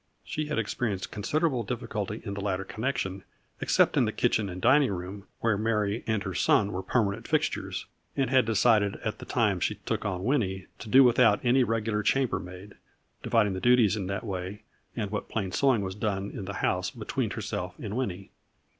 She had experienced considerable difficulty in the latter connection except in the kitchen and dining room, where Mary and her son were permanent fixtures, and had decided, at the time she took on Winnie, to do without any regular chambermaid, dividing the duties in that way, and what plain sewing was done in the A FLURRY IN DIAMONDS. 71 house between herself and Winnie.